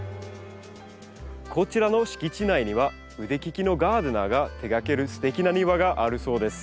こちらの敷地内には腕利きのガーデナーが手がけるすてきな庭があるそうです。